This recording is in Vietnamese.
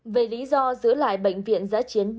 về lý do giữ lại bệnh viện giá chiến